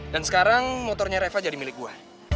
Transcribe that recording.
dan sekarang motornya reva jadi milik gue